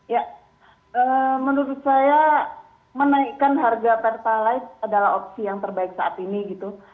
ya menurut saya menaikkan harga pertalite adalah opsi yang terbaik saat ini gitu